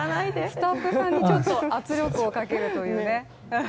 スタッフさんにちょっと圧力をかけるというね。